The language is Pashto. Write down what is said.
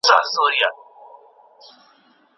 زه اوږده وخت ورزش کوم وم.